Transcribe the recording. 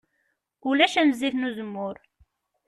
Ulac am zzit n uzemmur.